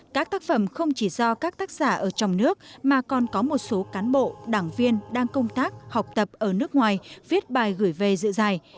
các tác phẩm không chỉ do các tác giả ở trong nước mà còn có một số cán bộ đảng viên đang công tác học tập ở nước ngoài viết bài gửi về dự giải